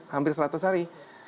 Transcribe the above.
hampir seratus hari